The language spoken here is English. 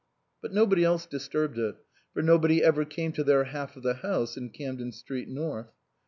But nobody else disturbed it, for nobody ever came to their half of the house in Camden Street North.